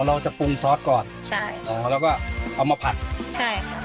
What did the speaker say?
อ๋อเราจะปรุงซอสก่อนแล้วก็เอามาผัดค่ะใช่